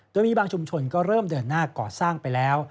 โดยมีบางชุมชนก็เริ่มเดินหน้าก่อสร้างไปแล้ว